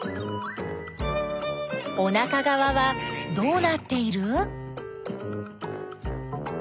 おなかがわはどうなっている？